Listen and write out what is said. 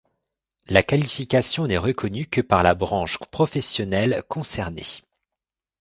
La qualification n'est reconnue que par la branche professionnelle concernée.